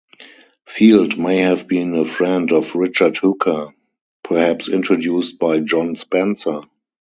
Field may have been a friend of Richard Hooker, perhaps introduced by John Spencer.